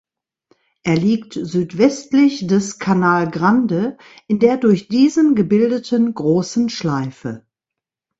Er liegt südwestlich des Canal Grande in der durch diesen gebildeten großen Schleife.